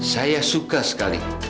saya suka sekali